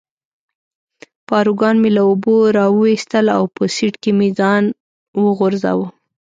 پاروګان مې له اوبو را وویستل او په سیټ کې مې ځان وغورځاوه.